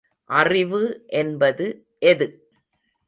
அறிவு என்பது எது?